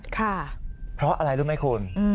ค่ะเพราะอะไรรู้ไหมคุณ